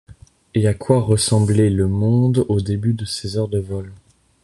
Et à quoi ressemblé le monde au début de ses heures de vol.